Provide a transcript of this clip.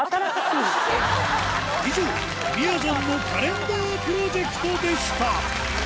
以上、みやぞんのカレンダープロジェクトでした。